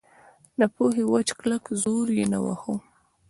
د پوهې وچ کلک زور یې نه واهه.